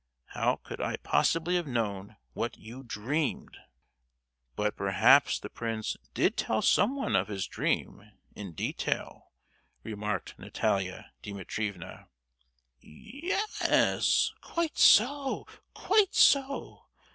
How could I possibly have known what you dreamed?" "But, perhaps the prince did tell someone of his dream, in detail," remarked Natalia Dimitrievna. "Ye—yes, quite so—quite so!